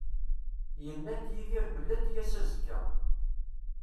Yenna-d Yidir belli ad d-yas azekka.